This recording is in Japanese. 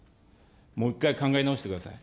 もう一回考え直してください。